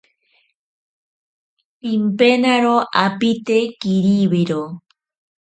Pimpenaro apite kiribiro.